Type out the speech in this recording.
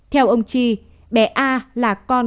theo ông chi bé a là con